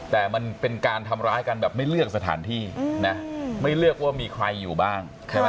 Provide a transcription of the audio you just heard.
แต่มันเป็นการทำร้ายกันแบบไม่เลือกสถานที่นะไม่เลือกว่ามีใครอยู่บ้างใช่ไหม